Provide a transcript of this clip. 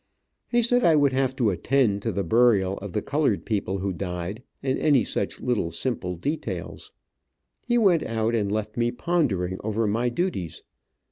He said I would have to attend to the burial of the colored people who died, and any such little simple details. He went out and left me pondering over my duties.